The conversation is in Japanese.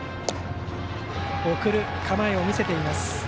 送る構えを見せています。